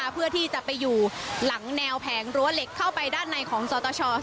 เพื่อที่จะไปอยู่หลังแนวแผงรั้วเหล็กเข้าไปด้านในของสตช